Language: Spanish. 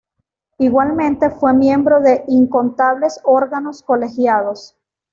Igualmente fue miembro de incontables órganos colegiados.